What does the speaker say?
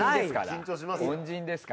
緊張しますよ。